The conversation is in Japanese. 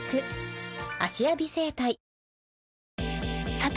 さて！